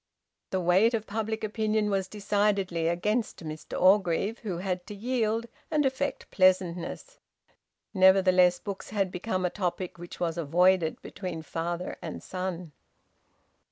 The weight of public opinion was decidedly against Mr Orgreave, who had to yield and affect pleasantness. Nevertheless books had become a topic which was avoided between father and son.